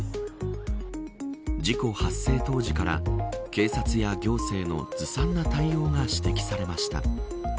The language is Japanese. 事故発生当時から警察や行政のずさんな対応が指摘されました。